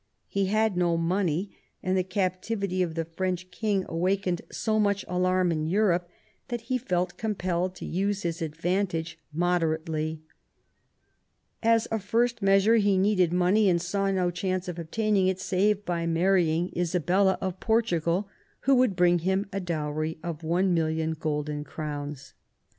He had no money, and the captivity of the French king awakened so much alarm in Europe that VII RENEWAL OF PEACE 117 he felt compelled to use his advantage moderately. As a first measure he needed money, and saw no chance of obtaining it save by marrying Isabella of Portugal, who would bring him a dowry of 1,000,000 golden crowns.